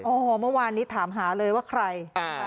โอ้โหเมื่อวานนี้ถามหาเลยว่าใคร